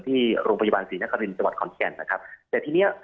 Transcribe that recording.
ที่โรงพยาบาลศรีนครินทร์จังหวัดขอนแก่นนะครับแต่ทีเนี้ย